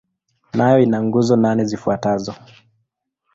Nayo ina nguzo nane zifuatazo.